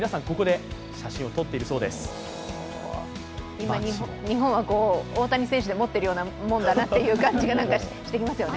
今、日本は大谷選手で持っているようなものだなという感じがしてきましたよね。